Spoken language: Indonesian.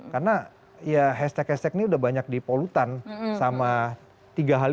karena ya hashtag hashtag ini udah banyak dipolutan sama tiga hal ini